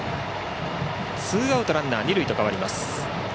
ツーアウトランナー、二塁と変わります。